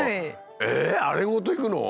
ええあれごといくの？